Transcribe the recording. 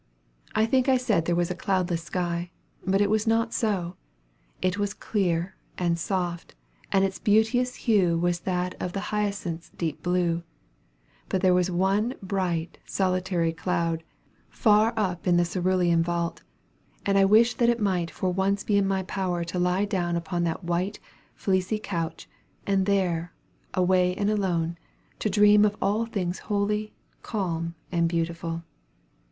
I think I said there was a cloudless sky; but it was not so. It was clear, and soft, and its beauteous hue was of "the hyacinth's deep blue" but there was one bright solitary cloud, far up in the cerulean vault; and I wished that it might for once be in my power to lie down upon that white, fleecy couch, and there, away and alone, to dream of all things holy, calm, and beautiful.